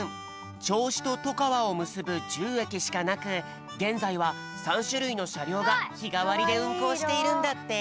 ちょうしととかわをむすぶ１０えきしかなくげんざいは３しゅるいのしゃりょうがひがわりでうんこうしているんだって。